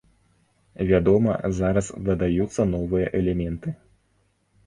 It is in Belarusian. Вядома, зараз дадаюцца новыя элементы.